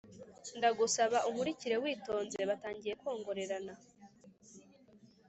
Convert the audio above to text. ndagusaba unkurikire witonze batangiye kongorerana